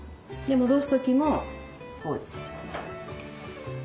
戻す時もこうです。